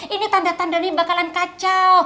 ini tanda tanda ini bakalan kacau